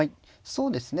そうですね。